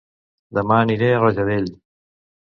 Dema aniré a Rajadell